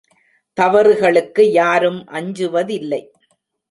தவறுகளுக்கு யாரும் அஞ்சுவதில்லை.